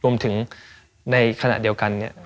รวมถึงในขณะเดียวกันเนี่ย